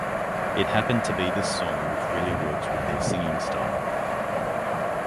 It happened to be this song which really works with their singing style.